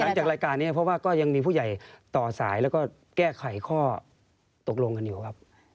นี่มันน่าจะเป็นหลังจากรายการนี้เพราะยังดันที่ผู้ใหญ่ต่อสายและแกล้ไขข้อตรงกันอยู่ครับ